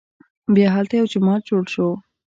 بیا هلته یو جومات جوړ شو.